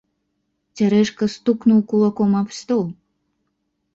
Цярэшка стукнуў кулаком аб стол.